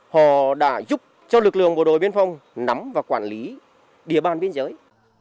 họ đã giúp cho lực lượng bộ đội biên phòng nắm và quản lý địa bàn biên giới